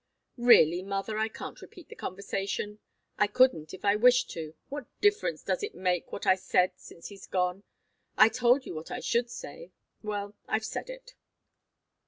"Really, mother, I can't repeat the conversation. I couldn't if I wished to. What difference does it make what I said, since he's gone? I told you what I should say. Well I've said it."